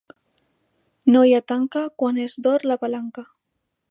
No hi ha tanca quan és d'or la palanca.